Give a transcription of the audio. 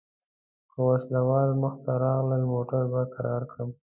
که وسله وال مخته راغلل موټر به کرار کړم.